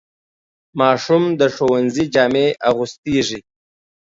ماشوم د ښوونځي جامې اغوستېږي.